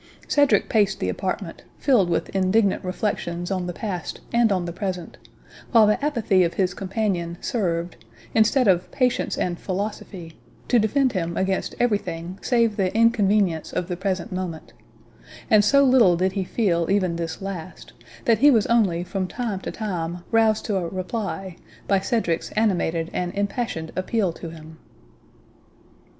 Cedric paced the apartment, filled with indignant reflections on the past and on the present, while the apathy of his companion served, instead of patience and philosophy, to defend him against every thing save the inconvenience of the present moment; and so little did he feel even this last, that he was only from time to time roused to a reply by Cedric's animated and impassioned appeal to him.